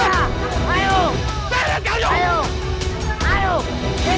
penyeksa di dalam